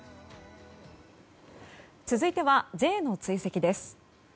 続いてはＪの追跡です。